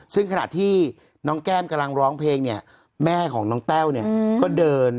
ซึ่งขณะที่น้องแก้มกำลังร้องเพลงเนี่ยแม่ของน้องแต้วเนี่ยก็เดิน